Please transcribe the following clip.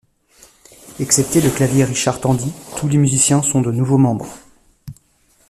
Excepté le clavier Richard Tandy, tous les musiciens sont de nouveaux membres.